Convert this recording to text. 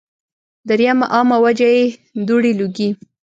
دريمه عامه وجه ئې دوړې ، لوګي